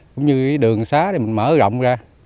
cũng như cái đường xá thì mình mở rộng ra